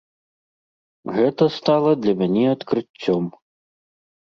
Гэта стала для мяне адкрыццём.